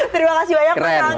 terima kasih banyak mas ragu